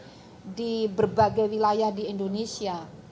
jadi kita bisa diberbagi wilayah di indonesia